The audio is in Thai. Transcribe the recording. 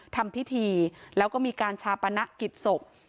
ทำพิธีแล้วก็มีการชาปนกิจศพ